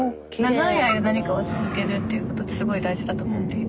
長い間何かを続けるっていうことってすごい大事だと思っていて。